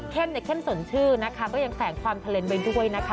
เข้มในเข้มสวนชื่อก็แสงความเกร็งไปด้วยนะคะ